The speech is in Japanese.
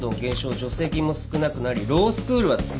助成金も少なくなりロースクールはつぶれる。